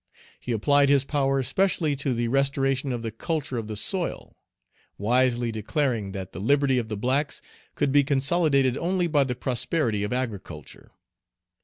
He applied his power specially to the restoration of the culture of the soil; wisely declaring, that the liberty of the blacks could be consolidated only by the prosperity of agriculture.